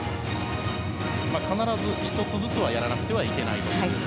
必ず１つずつはやらなくてはいけません。